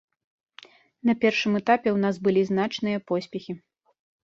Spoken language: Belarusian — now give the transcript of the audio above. На першым этапе ў нас былі значныя поспехі.